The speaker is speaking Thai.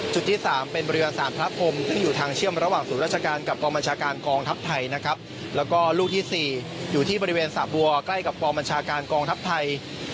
ที่๓เป็นเรือสารพระพรมซึ่งอยู่ทางเชื่อมระหว่างศูนย์ราชการกับกองบัญชาการกองทัพไทยนะครับแล้วก็ลูกที่๔อยู่ที่บริเวณสระบัวใกล้กับกองบัญชาการกองทัพไทย